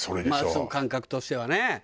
まあ感覚としてはね。